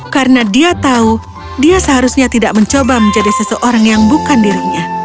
karena dia tahu dia seharusnya tidak mencoba menjadi seseorang yang bukan dirinya